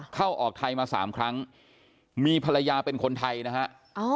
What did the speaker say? เข้าออกไทยมา๓ครั้งมีภรรยาเป็นคนไทยนะฮะ